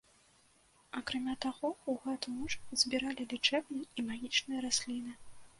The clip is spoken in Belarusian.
Акрамя таго, у гэту ноч збіралі лячэбныя і магічныя расліны.